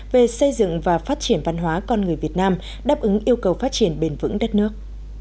về xây dựng và phát triển văn hóa con người việt nam đáp ứng yêu cầu phát triển bền vững đất nước